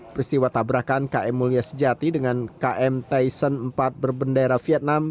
peristiwa tabrakan km mulia sejati dengan km tyson empat berbendera vietnam